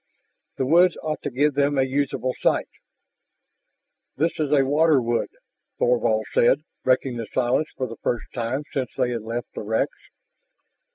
The woods ought to give them a usable site. "This is a water wood," Thorvald said, breaking the silence for the first time since they had left the wrecks.